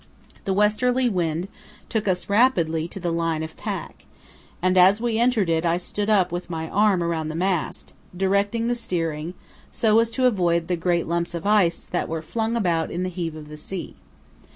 The westerly wind took us rapidly to the line of pack, and as we entered it I stood up with my arm around the mast, directing the steering, so as to avoid the great lumps of ice that were flung about in the heave of the sea.